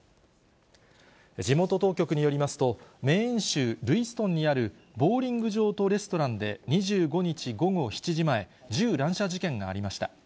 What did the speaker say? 地元当局によりますと、メーン州ルイストンにあるボウリング場とレストランで２５日午後７時前、銃乱射事件がありました。